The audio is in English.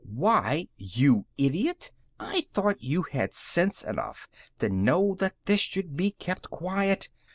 "Why, you idiot, I thought you had sense enough to know that this should be kept quiet!